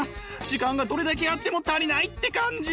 時間がどれだけあっても足りないって感じ？